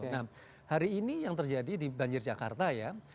nah hari ini yang terjadi di banjir jakarta ya